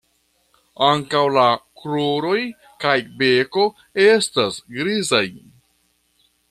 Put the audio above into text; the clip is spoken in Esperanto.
Ankaŭ la kruroj kaj beko estas grizaj.